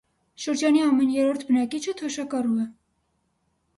Շրջանի ամեն երրորդ բնակիչը թոշակառու է։